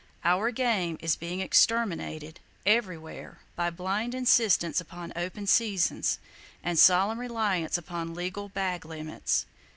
Our game is being exterminated, everywhere, by blind insistence upon "open seasons," and solemn reliance upon "legal bag limits."